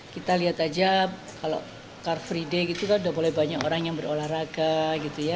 kita lihat aja kalau car free day gitu kan udah boleh banyak orang yang berolahraga gitu ya